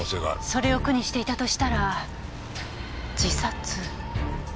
それを苦にしていたとしたら自殺？